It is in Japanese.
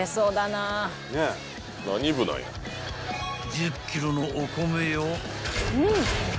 ［１０ｋｇのお米を］